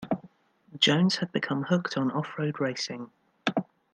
Jones had become hooked on off-road racing.